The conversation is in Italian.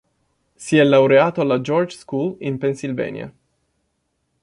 Si è laureato alla George School in Pennsylvania.